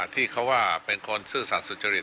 ที่เขาว่าเป็นคนซื่อสัตว์สุจริต